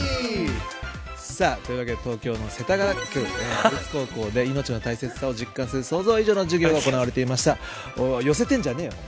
というわけで東京の世田谷区の都立高校で命の大切さを実感する想像以上の授業が行われていました。